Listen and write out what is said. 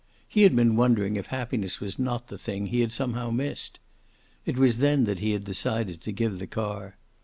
He had been wondering if happiness was not the thing he had somehow missed. It was then that he had decided to give the car.